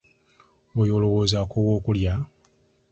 Oyo olowooza akoowa okulya?